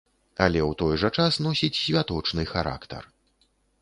Але ў той жа час носіць святочны характар.